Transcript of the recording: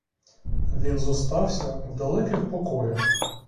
Він зостався в далеких покоях.